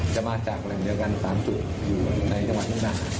จะมาจากแหล่งเดียวกันตามศุกร์อยู่ในจังหวัดฮุ่งหน้า